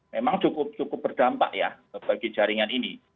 memang cukup berdampak ya bagi jaringan ini